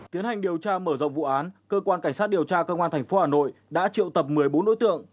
tiến hành điều tra mở rộng vụ án cơ quan cảnh sát điều tra công an tp hà nội đã triệu tập một mươi bốn đối tượng